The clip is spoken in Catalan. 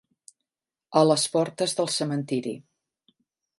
A les portes del cementiri.